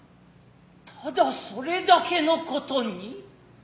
ただそれだけの事に。